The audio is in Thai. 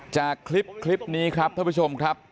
จากคลิปนี้ครับท่านผู้ชมครับ